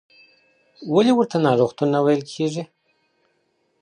ولې ورته ناروغتون نه ویل کېږي؟